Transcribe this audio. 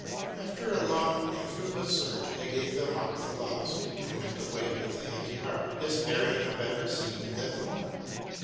After a long and fruitless search, I gav^ them up for lost, and went away with a heavy heart, despairing of ever seeing them more.